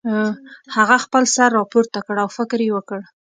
هغه خپل سر راپورته کړ او فکر یې وکړ